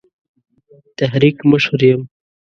تحریک مشر یم.